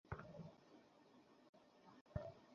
এজন্য আমি চিরকাল তোমার থাকব।